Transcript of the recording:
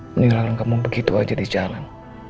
meninggalkan kamu begitu aja di jalan